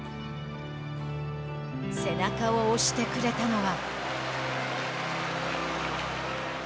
背中を押してくれたのは。